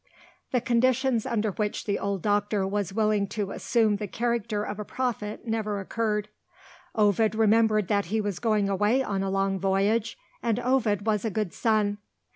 The conditions under which the old doctor was willing to assume the character of a prophet never occurred. Ovid remembered that he was going away on a long voyage and Ovid was a good son.